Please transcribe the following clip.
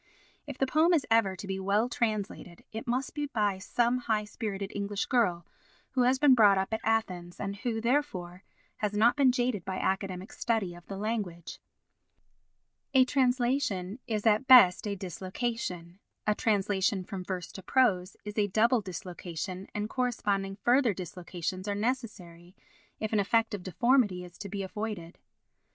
If the poem is ever to be well translated, it must be by some high spirited English girl who has been brought up at Athens and who, therefore, has not been jaded by academic study of the language. A translation is at best a dislocation, a translation from verse to prose is a double dislocation and corresponding further dislocations are necessary if an effect of deformity is to be avoided.